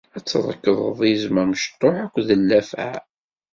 Ad trekḍeḍ izem amecṭuḥ akked llafɛa.